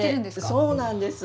そうなんです。